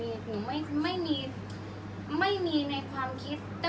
อันไหนที่มันไม่จริงแล้วอาจารย์อยากพูด